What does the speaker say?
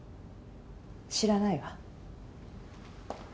知らないわ。